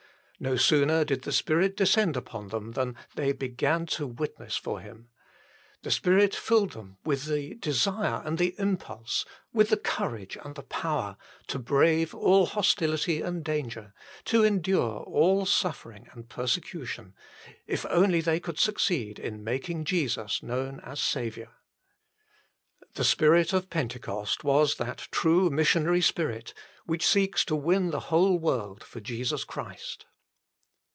No sooner did the Spirit descend upon them than they began to witness for Him. The Spirit filled them with the desire and the impulse, with the courage and the power, to brave all hostility and danger, to endure all suffering and persecution, if only they could suc ceed in making Jesus known as a Saviour. The Spirit of Pentecost was that true missionary Spirit which seeks to win the whole world for Jesus Christ.